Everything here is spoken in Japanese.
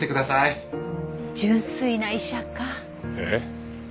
えっ？